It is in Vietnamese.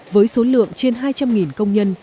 với số lượng trên hai trăm linh công nhân